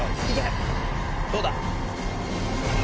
どうだ？